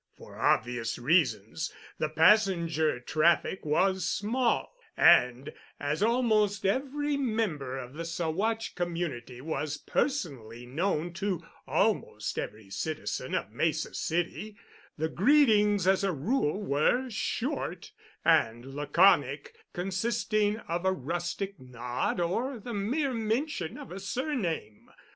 For obvious reasons, the passenger traffic was small, and, as almost every member of the Saguache community was personally known to almost every citizen of Mesa City, the greetings as a rule were short and laconic, consisting of a rustic nod or the mere mention of a surname.